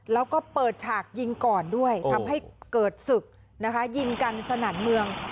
แล้วก็เปิดฉากยิงก่อนด้วยทำให้เกิดศึกนะคะยิงกันสนั่นเมือง